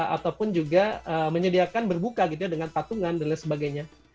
ataupun juga menyediakan berbuka gitu ya dengan patungan dan lain sebagainya